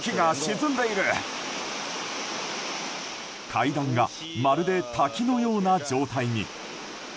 階段がまるで滝のような状態に。